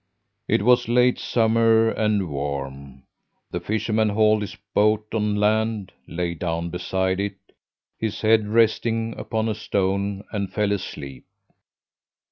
"It was late summer and warm. The fisherman hauled his boat on land, lay down beside it, his head resting upon a stone, and fell asleep.